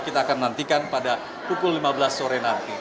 kita akan nantikan pada pukul lima belas sore nanti